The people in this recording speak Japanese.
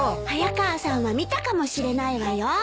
早川さんは見たかもしれないわよ。